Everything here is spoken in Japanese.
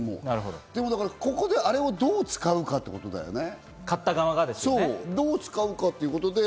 ここであれをどう使うかってことだよね。